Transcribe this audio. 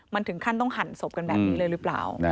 มันถึงขั้นต้องหั่นศพกันแบบนี้เลยหรือเปล่า